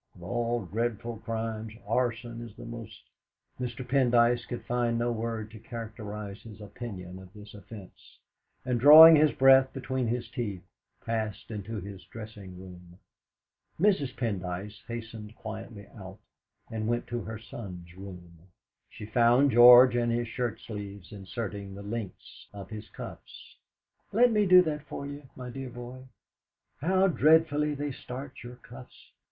Of all dreadful crimes, arson is the most " Mr. Pendyce could find no word to characterise his opinion of this offence, and drawing his breath between his teeth, passed into his dressing room. Mrs. Pendyce hastened quietly out, and went to her son's room. She found George in his shirtsleeves, inserting the links of his cuffs. "Let me do that for you, my dear boy! How dreadfully they starch your cuffs!